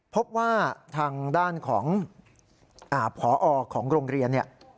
พบว่าทางด้านของพอของโรงเรียนเนี่ย